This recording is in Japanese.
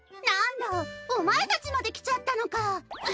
なんだお前たちまで来ちゃったのか！